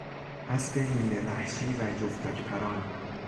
اسب نیمه وحشی و جفتک پران